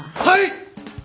はい！